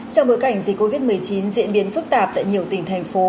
trong bối cảnh dịch covid một mươi chín diễn biến phức tạp tại nhiều tỉnh thành phố